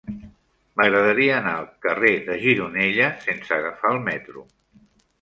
M'agradaria anar al carrer de Gironella sense agafar el metro.